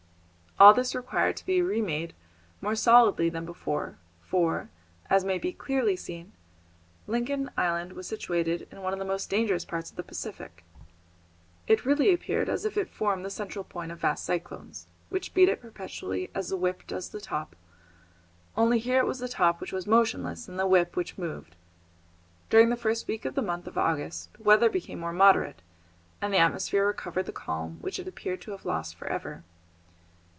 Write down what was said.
All this required to be re made more solidly than before, for, as may be clearly seen, Lincoln Island was situated in one of the most dangerous parts of the Pacific. It really appeared as if it formed the central point of vast cyclones, which beat it perpetually as the whip does the top, only here it was the top which was motionless and the whip which moved. During the first week of the month of August the weather became more moderate, and the atmosphere recovered the calm which it appeared to have lost for ever.